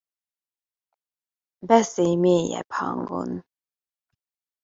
Beszélj mélyebb hangon.